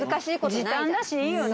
時短だしいいよね。